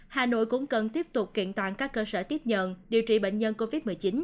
hà nội cũng cần tiếp tục kiện toàn các cơ sở tiếp nhận điều trị bệnh nhân covid một mươi chín